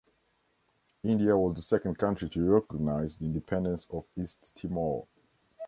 India was the second country to recognize the independence of East Timor.